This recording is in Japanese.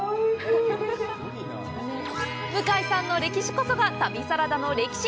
向井さんの歴史こそが「旅サラダ」の歴史。